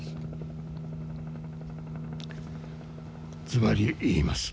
ずばり言います。